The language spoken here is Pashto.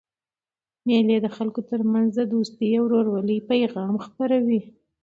مېلې د خلکو ترمنځ د دوستۍ او ورورولۍ پیغام خپروي.